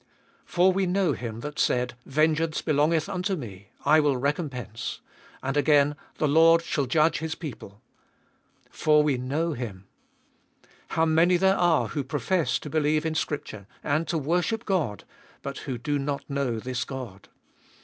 For we know Him that said, Vengeance belongeth unto Me, I will recompense. And again, the Lord shall judge His people.— For we know Him ! How many there are who profess to believe in Scripture, and to worship God, but who do not know this God.